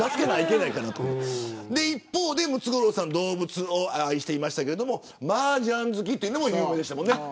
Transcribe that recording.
一方で、ムツゴロウさん動物を愛していましたが麻雀好きというのも有名でした。